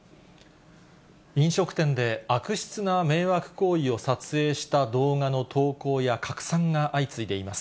飲食店で、悪質な迷惑行為を撮影した動画の投稿や拡散が相次いでいます。